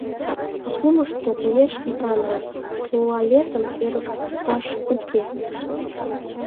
А кумышто, вуеш ида нал, туалетым эрыкташУке!